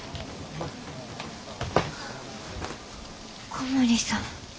小森さん。